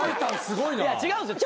いや違うんすよ。